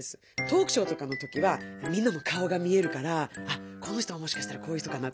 トークショーとかの時はみんなの顔が見えるから「あっこの人はもしかしたらこういう人かな」。